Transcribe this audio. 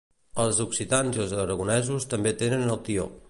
Els occitans i els aragonesos també tenen el tió.